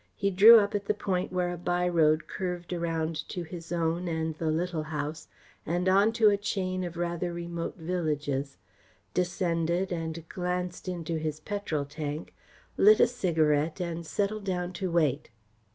He drew up at the point where a by road curved around to his own and the Little House and on to a chain of rather remote villages, descended and glanced into his petrol tank, lit a cigarette and settled down to wait.